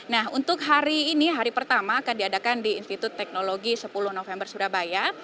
nah untuk hari ini hari pertama akan diadakan di institut teknologi sepuluh november surabaya